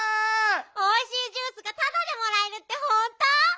おいしいジュースがタダでもらえるってほんと？